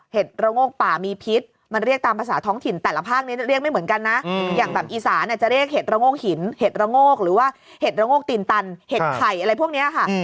ระโงกป่ามีพิษมันเรียกตามภาษาท้องถิ่นแต่ละภาคนี้เรียกไม่เหมือนกันนะอย่างแบบอีสานจะเรียกเห็ดระโงกหินเห็ดระโงกหรือว่าเห็ดระโงกตีนตันเห็ดไข่อะไรพวกนี้ค่ะ